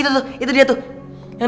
nasi rames doang